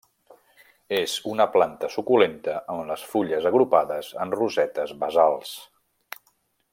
És una planta suculenta amb les fulles agrupades en rosetes basals.